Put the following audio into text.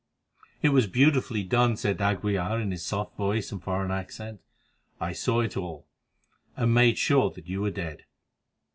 "It was beautifully done," said d'Aguilar in his soft voice and foreign accent. "I saw it all, and made sure that you were dead.